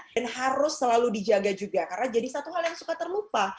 dan harus selalu dijaga juga karena jadi satu hal yang suka terlupa